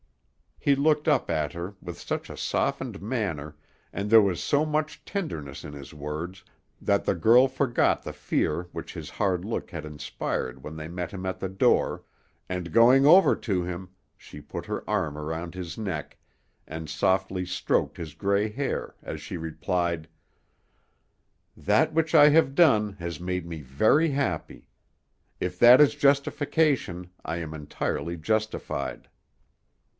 He looked up at her with such a softened manner, and there was so much tenderness in his words, that the girl forgot the fear which his hard look had inspired when they met him at the door, and going over to him she put her arm around his neck, and softly stroked his gray hair as she replied, "That which I have done has made me very happy. If that is justification, I am entirely justified."